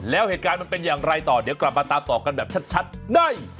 แล้วเหตุการณ์มันเป็นอย่างไรต่อเดี๋ยวกลับมาตามต่อกันแบบชัดใน